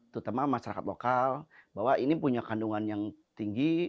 terutama masyarakat lokal bahwa ini punya kandungan yang tinggi